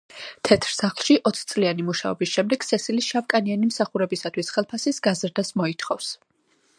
თეთრ სახლში ოცწლიანი მუშაობის შემდეგ სესილი შავკანიანი მსახურებისთვის ხელფასის გაზრდას მოითხოვს.